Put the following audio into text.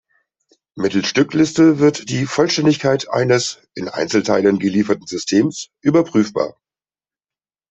Mittels Stückliste wird die Vollständigkeit eines in Einzelteilen gelieferten Systems überprüfbar.